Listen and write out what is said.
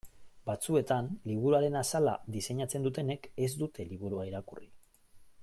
Batzuetan liburuaren azala diseinatzen dutenek ez dute liburua irakurri.